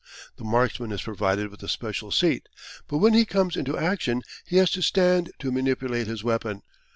The marksman is provided with a special seat, but when he comes into action he has to stand to manipulate his weapon.